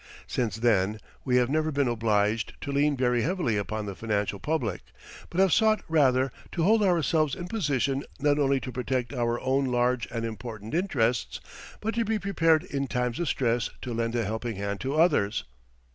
Since then we have never been obliged to lean very heavily upon the financial public, but have sought rather to hold ourselves in position not only to protect our own large and important interests, but to be prepared in times of stress to lend a helping hand to others.